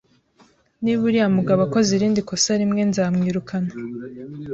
Niba uriya mugabo akoze irindi kosa rimwe, nzamwirukana.